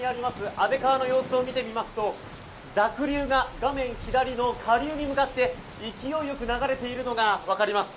安倍川の様子を見てみますと濁流が画面左の下流に向かって勢いよく流れているのが分かります。